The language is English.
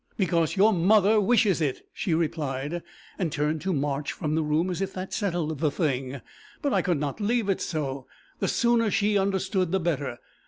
'Because your mother wishes it,' she replied, and turned to march from the room as if that settled the thing. But I could not leave it so. The sooner she understood the better!